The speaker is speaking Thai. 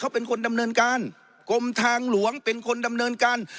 เขาเป็นคนดำเนินการกรมทางหลวงเป็นคนดำเนินการ